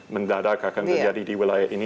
mendadak akan terjadi di wilayah ini